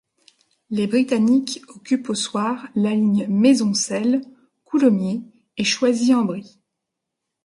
Les Britanniques occupent au soir la ligne Maisoncelles, Coulommiers et Choisy-en-Brie.